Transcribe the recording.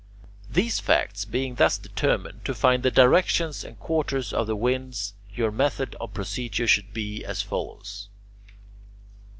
These facts being thus determined, to find the directions and quarters of the winds your method of procedure should be as follows.